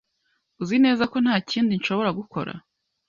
Uzi neza ko ntakindi nshobora gukora?